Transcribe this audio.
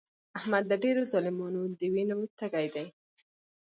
احمد د ډېرو ظالمانو د وینو تږی دی.